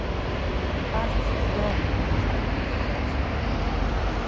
Nachází se zde mnoho chráněných oblastí.